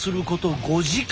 ５時間。